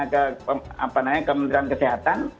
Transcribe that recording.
ke kementerian kesehatan